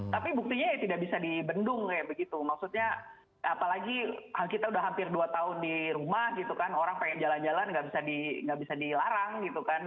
tapi buktinya ya tidak bisa dibendung kayak begitu maksudnya apalagi kita udah hampir dua tahun di rumah gitu kan orang pengen jalan jalan nggak bisa dilarang gitu kan